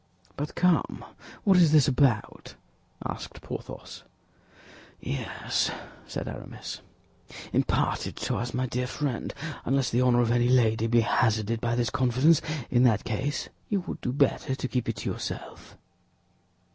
"But come, what is this about?" asked Porthos. "Yes," said Aramis, "impart it to us, my dear friend, unless the honor of any lady be hazarded by this confidence; in that case you would do better to keep it to yourself."